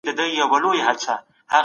نفسي خواهشات نه تعقیبېږي.